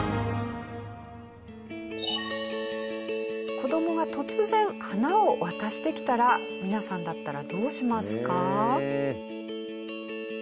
子供が突然花を渡してきたら皆さんだったらどうしますか？